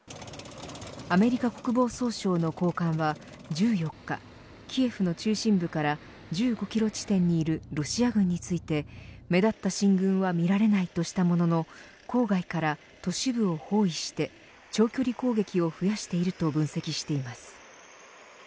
アメリカ国防総省の高官は１４日、キエフの中心部から１５キロ地点にいるロシア軍について目立った進軍はみられないとしたものの郊外から都市部を包囲して長距離攻撃を増やしていると分析しています。